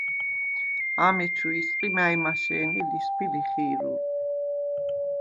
ამეჩუ ისყი მა̄̈ჲმაშე̄ნე ლისვბი-ლიხი̄რულ.